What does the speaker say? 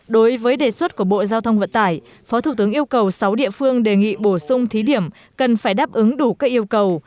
đối với đề xuất của bộ giao thông vận tải phó thủ tướng yêu cầu sáu địa phương đề nghị bổ sung thí điểm cần phải đáp ứng đủ các yêu cầu